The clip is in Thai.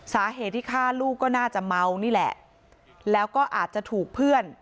สาเหตุที่ฆ่าลูกก็น่าจะเมานี่แหละแล้วก็อาจจะถูกเพื่อน